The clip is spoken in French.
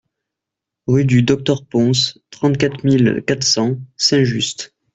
Rue du Docteur Pons, trente-quatre mille quatre cents Saint-Just